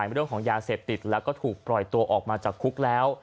เรื่องของยาเสพติดแล้วก็ถูกปล่อยตัวออกมาจากคุกแล้ว